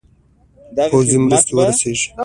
پوځي مرستي ورسیږي.